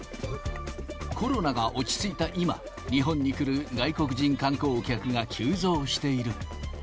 コロナが落ち着いた今、日本に来る外国人観光客が急増している。